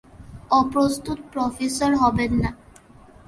অপ্রস্তুত প্রফেসর হবে না।